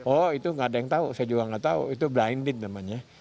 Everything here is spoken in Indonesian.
oh itu nggak ada yang tahu saya juga nggak tahu itu blended namanya